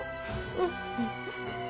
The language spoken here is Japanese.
うん。